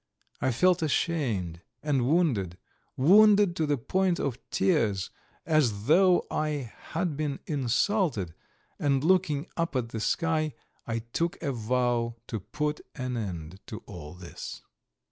I felt ashamed and wounded, wounded to the point of tears as though I had been insulted, and looking up at the sky I took a vow to put an end to all this.